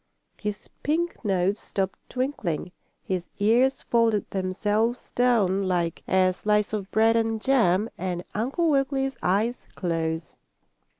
His pink nose stopped twinkling, his ears folded themselves down like a slice of bread and jam, and Uncle Wiggily's eyes closed.